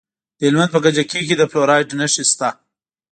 د هلمند په کجکي کې د فلورایټ نښې شته.